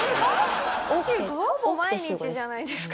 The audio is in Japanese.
ほぼ毎日じゃないですか。